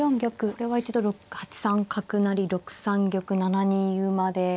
これは一度８三角成６三玉７二馬で。